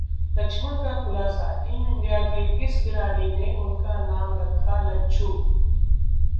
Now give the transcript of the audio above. लक्ष्मण का खुलासा, team India के इस खिलाड़ी ने उनका नाम रखा 'लच्छू'